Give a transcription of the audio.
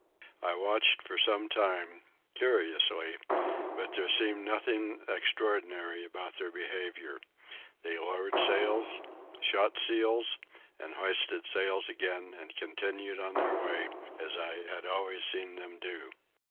I watched for some time, curiously, but there seemed nothing extraordinary about their behaviour. They lowered sails, shot seals, and hoisted sails again, and continued on their way as I had always seen them do.